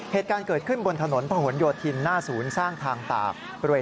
เหตุการณ์เกิดขึ้นบนถนนพะหนโยธินหน้าศูนย์สร้างทางตาก